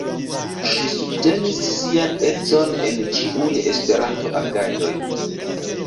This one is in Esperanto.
Ŝi subtenis sian edzon en ĉiuj Esperanto-agadoj.